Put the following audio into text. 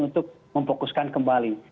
untuk memfokuskan kembali